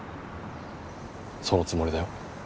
そのつもりだよ。